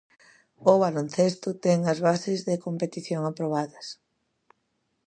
O baloncesto ten as bases de competición aprobadas.